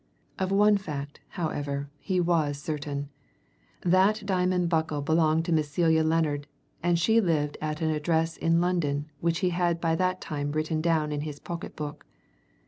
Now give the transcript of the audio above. Of one fact, however, he was certain that diamond buckle belonged to Miss Celia Lennard, and she lived at an address in London which he had by that time written down in his pocket book.